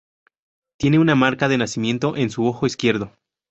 Tiene una marca de nacimiento en su ojo izquierdo.